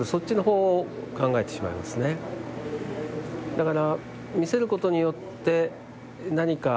だから。